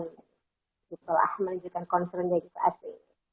gitu lah menunjukkan concernnya gitu asli